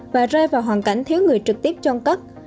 và rơi vào hoàn cảnh thiếu người trực tiếp chôn cất